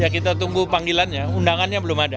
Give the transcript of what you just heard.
kita tunggu panggilannya undangannya belum ada